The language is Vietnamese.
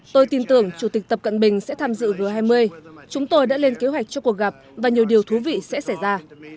tôi tin tưởng chủ tịch tập cận bình sẽ tham dự g hai mươi chúng tôi đã lên kế hoạch cho cuộc gặp và nhiều điều thú vị sẽ xảy ra